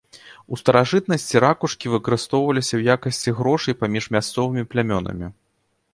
У старажытнасці ракушкі выкарыстоўваліся ў якасці грошай паміж мясцовымі плямёнамі.